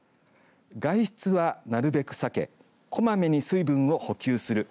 外出はなるべく避けこまめに水分を補給する。